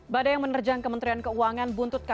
bagaimana menurut anda